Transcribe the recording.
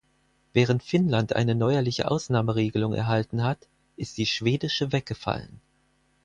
Während Finnland eine neuerliche Ausnahmeregelung erhalten hat, ist die schwedische weggefallen.